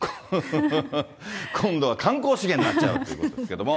今度は観光資源になっちゃうということですけれども。